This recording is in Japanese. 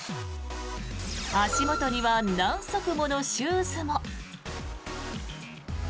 足元には何足ものシューズも。